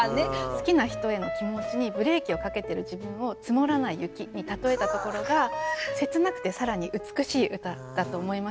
好きな人への気持ちにブレーキをかけてる自分を「積もらない雪」に例えたところが切なくて更に美しい歌だと思いました。